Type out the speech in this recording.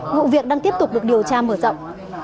vụ việc đang tiếp tục được điều tra mở rộng